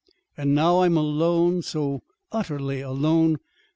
And now I'm alone so utterly alone.